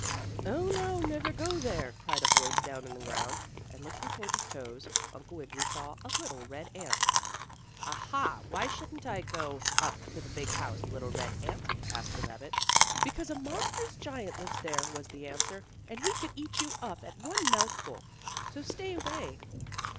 "Oh, no; never go there!" cried a voice down on the ground, and, looking toward his toes, Uncle Wiggily saw a little red ant. "Ah, ha! Why shouldn't I go up to the big house, little red ant?" asked the rabbit. "Because a monstrous giant lives there," was the answer, "and he could eat you up at one mouthful. So stay away."